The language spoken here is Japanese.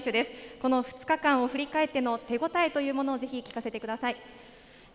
この２日間を振り返っての手応えというものをぜひ聞かせてください。